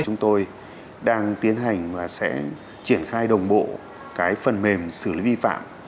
chúng tôi đang tiến hành và sẽ triển khai đồng bộ phần mềm xử lý vi phạm